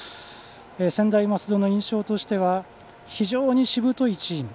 専大松戸の印象としては非常にしぶといチーム。